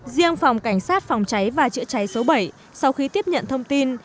riêng phòng cảnh sát phòng trái và chữa trái số bảy sau khi tiếp nhận thông tin